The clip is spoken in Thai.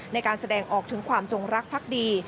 ในการแสดงออกถึงความจงรักพักดี